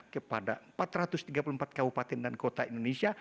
kepada empat ratus tiga puluh empat kabupaten dan kota indonesia